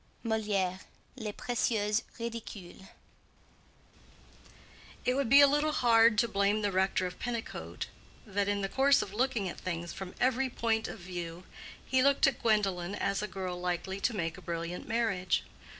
MOLIÈRE. Les Précieuses Ridicules. It would be a little hard to blame the rector of Pennicote that in the course of looking at things from every point of view, he looked at Gwendolen as a girl likely to make a brilliant marriage.